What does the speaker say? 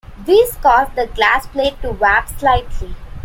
This caused the glass plate to warp slightly.